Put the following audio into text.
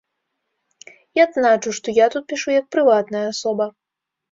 І адзначу, што я тут пішу як прыватная асоба.